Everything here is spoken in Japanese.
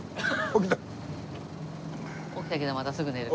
起きたけどまたすぐ寝る。